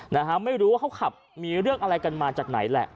นะฮะไม่รู้ว่าเขาขับมีเรื่องอะไรกันมาจากไหนแหละ